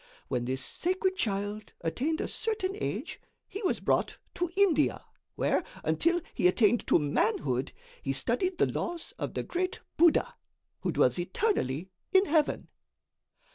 When this sacred child attained a certain age, he was brought to India, where, until he attained to manhood, he studied the laws of the great Buddha, who dwells eternally in heaven."